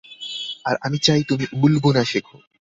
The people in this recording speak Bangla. আর আমি চাই তুমি উল বুনা শেখো।